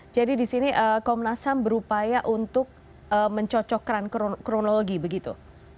jadi di sini komnas ham berupaya untuk mencocokkan kronologi begitu